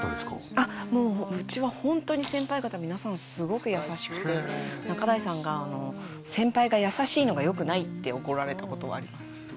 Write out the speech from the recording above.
あっもううちはホントに先輩方皆さんすごく優しくて仲代さんがあの先輩が優しいのがよくないって怒られたことはあります